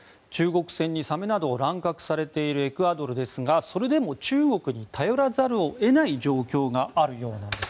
中国船にサメなどを乱獲されているエクアドルですがそれでも中国に頼らざるを得ない状況があるようなんです。